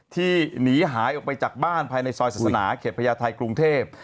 ที่หนีหายออกไปจากบ้านภายในซอยศาสนาเขตพญาไทยกรุงเทพ